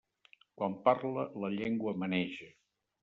Quan parle, la llengua menege.